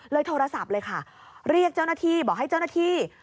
โทรศัพท์เลยค่ะเรียกเจ้าหน้าที่บอกให้เจ้าหน้าที่